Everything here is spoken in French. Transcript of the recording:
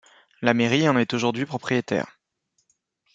La mairie en est aujourd'hui propriétaire.